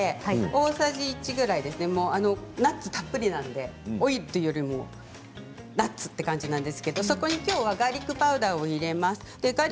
大さじ１ぐらいナッツたっぷりなのでオイルというよりナッツという感じですが、そこにガーリックパウダーを入れます。